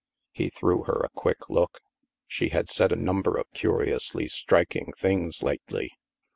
He threw her a quick look. She had said a num ber of curiously striking things lately.